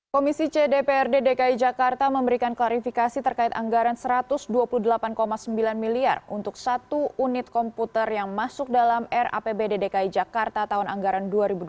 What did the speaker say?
komisi cdprd dki jakarta memberikan klarifikasi terkait anggaran rp satu ratus dua puluh delapan sembilan miliar untuk satu unit komputer yang masuk dalam rapbd dki jakarta tahun anggaran dua ribu dua puluh